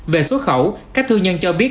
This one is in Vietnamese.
về xuất khẩu các thư nhân cho biết